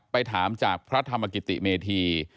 ไปถามจากพระธรรมกิติเมธี